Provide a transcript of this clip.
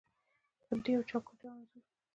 بندې یو چوکاټ، یوه انځور